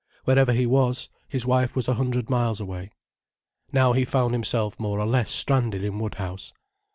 Wherever he was, his wife was a hundred miles away. Now he found himself more or less stranded in Woodhouse.